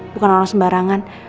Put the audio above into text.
bukan orang sembarangan